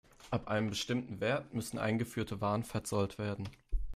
Ab einem bestimmten Wert müssen eingeführte Waren verzollt werden.